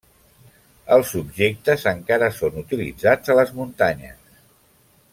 Els objectes encara són utilitzats a les muntanyes.